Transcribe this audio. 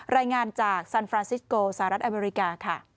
รายงานจากซันฟรานซิสโกสหรัฐอเมริกาค่ะ